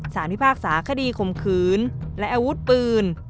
พิพากษาคดีข่มขืนและอาวุธปืน